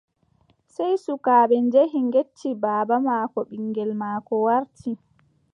Sey sukaaɓe njehi ngecci baaba maako ɓiŋngel maako warti.